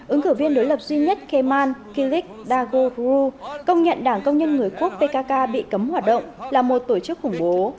ứng cử viên đối lập duy nhất keman kilik dagor ruh công nhận đảng công nhân người quốc pkk bị cấm hoạt động là một tổ chức khủng bố